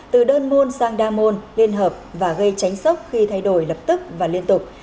từ đơn môn sang đa môn liên hợp và gây tránh sốc khi thay đổi lập tức và liên tục